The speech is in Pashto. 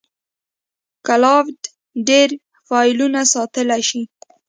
کلاوډ ډېری فایلونه ساتلی شي.